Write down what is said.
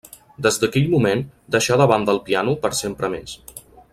Des d'aquell moment deixà de banda el piano per sempre més.